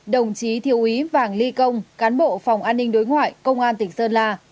đồng chí thiếu úy vàng ly công cán bộ phòng an ninh đối ngoại công an tỉnh sơn la